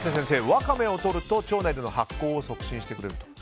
ワカメをとると腸内での発酵を促進すると。